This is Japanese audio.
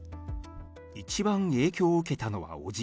一番影響を受けたのは伯父。